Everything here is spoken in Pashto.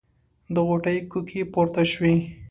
د غوټۍ کوکې پورته شوې.